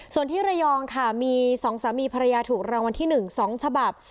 ส่วนที่ระยองค่ะมี๒สามีภรรยาถูกรางวัลที่๑๒ฉบับ